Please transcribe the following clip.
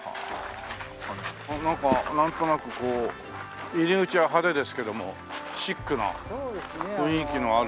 なんかなんとなくこう入り口は派手ですけどもシックな雰囲気のある。